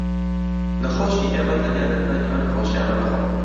نەخۆشی ئێمە تەنیا دەرمانی ئەو نەخۆشییانە دەخۆن